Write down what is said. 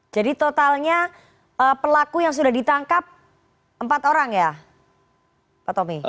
jadi totalnya pelaku yang sudah ditangkap empat orang ya pak tommy